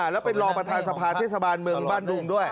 แล้วเป็นรองประธานสภาเทศบาลเมืองบ้านดุงด้วย